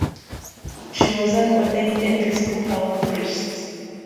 She was an ordained Episcopal priest.